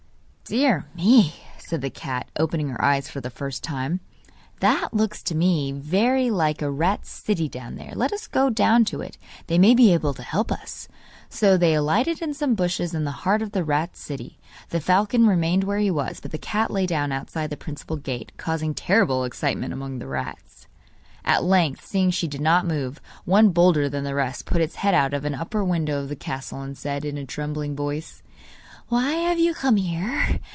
'Dear me,' said the cat, opening her eyes for the first time, 'that looks to me very like a rat city down there, let us go down to it; they may be able to help us.' So they alighted in some bushes in the heart of the rat city. The falcon remained where he was, but the cat lay down outside the principal gate, causing terrible excitement among the rats. At length, seeing she did not move, one bolder than the rest put its head out of an upper window of the castle, and said, in a trembling voice: 'Why have you come here?